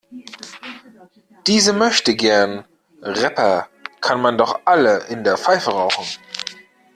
Diese Möchtegern-Rapper kann man doch alle in der Pfeife rauchen.